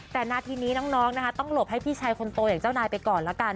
แต่นาทีนี้น้องนะคะต้องหลบให้พี่ชายคนโตอย่างเจ้านายไปก่อนละกัน